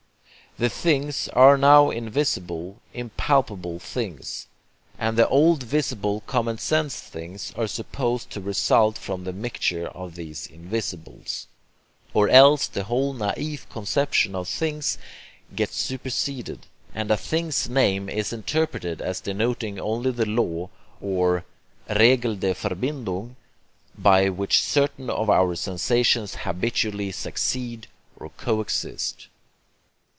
The 'things' are now invisible impalpable things; and the old visible common sense things are supposed to result from the mixture of these invisibles. Or else the whole NAIF conception of thing gets superseded, and a thing's name is interpreted as denoting only the law or REGEL DER VERBINDUNG by which certain of our sensations habitually succeed or coexist.